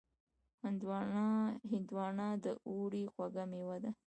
هندوانه د اوړي خوږ مېوه ده.